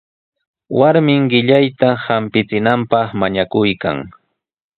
Warmin qillayta hampichinanpaq mañakuykan.